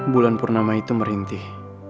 bulan purnama itu merintih